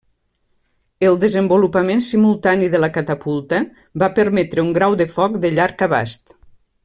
El desenvolupament simultani de la catapulta va permetre un grau de foc de llarg abast.